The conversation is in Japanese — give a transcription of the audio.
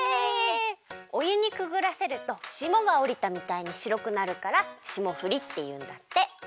おゆにくぐらせるとしもがおりたみたいにしろくなるからしもふりっていうんだって。